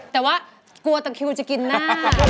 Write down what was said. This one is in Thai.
แต่ว่ากลัวตะคิวจะกินหน้า